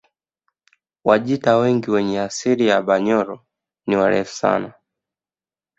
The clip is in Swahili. Wajita wengi wenye asili ya Banyoro ni warefu sana